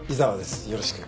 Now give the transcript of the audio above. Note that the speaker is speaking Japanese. よろしく。